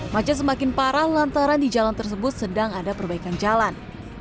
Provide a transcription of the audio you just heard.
macet semakin parah lantaran di jalan tersebut sedang ada perbaikan jalan